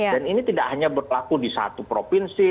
dan ini tidak hanya berlaku di satu provinsi